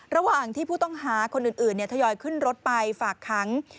ระหว่างที่ผู้ต้องหาคนอื่นทยอยขึ้นรถไปฝากค้าง